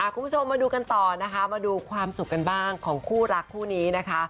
คุณผู้ชมมาดูกันต่อนะคะมาดูความสุขกันบ้างของคู่รักคู่นี้นะคะ